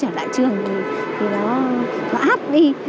nhà trường băn khoăn